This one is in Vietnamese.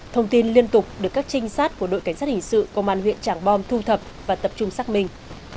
thông tin liên tục được các trinh sát của đội cảnh sát hình sự công an huyện tràng bom thu thập và tập trung xác minh